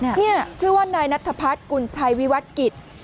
นี่ชื่อว่านายนัทพัฒน์กุญชัยวิวัตกิจ